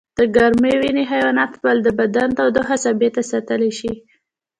د ګرمې وینې حیوانات خپل د بدن تودوخه ثابته ساتلی شي